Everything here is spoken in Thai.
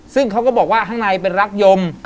ซึ่งเขาก็บอกว่าข้างในเป็นรักยม